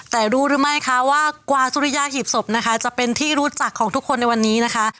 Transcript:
แต่รู้หรือไม่คะว่ากว่าสุริยาหีบศพนะคะจะเป็นที่รู้จักของทุกคนในวันนี้นะคะ